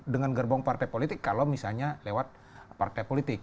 dengan gerbong partai politik kalau misalnya lewat partai politik